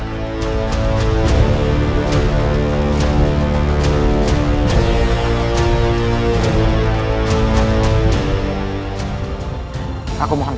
adalah muhafiz ayondar